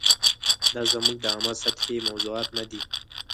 دا زموږ د عامه سطحې موضوعات نه دي.